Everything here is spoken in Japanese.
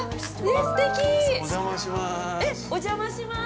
えっ、お邪魔します！